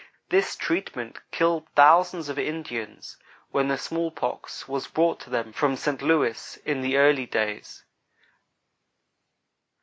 This treatment killed thousands of Indians when the smallpox was brought to them from Saint Louis, in the early days.